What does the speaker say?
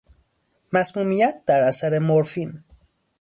مسمومیت در اثر مرفین